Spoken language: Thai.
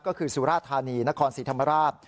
ก็คือสุราธานีนครศรีธรรมราช